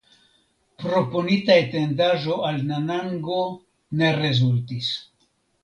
Proponita etendaĵo al Nanango ne rezultis.